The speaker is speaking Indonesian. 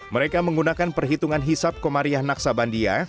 mereka menggunakan perhitungan hisap komariah naksabandia